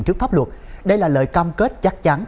trước pháp luật đây là lời cam kết chắc chắn